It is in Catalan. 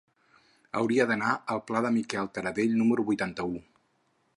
Hauria d'anar al pla de Miquel Tarradell número vuitanta-u.